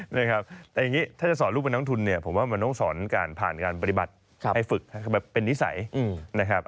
แต่อย่างนี้ถ้าจะสอนลูกเป็นนักทุนเนี่ยผมว่ามันต้องสอนการผ่านการปฏิบัติให้ฝึกให้แบบเป็นนิสัยนะครับ